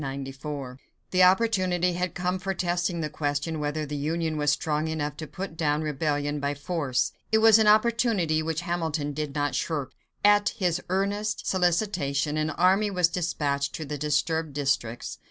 The opportunity had come for testing the question whether the Union was strong enough to put down rebellion by force. It was an opportunity which Hamilton did not shirk. At his earnest solicitation, an army was dispatched to the disturbed districts.